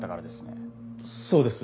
そうです。